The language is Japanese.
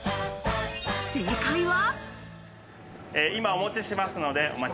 正解は。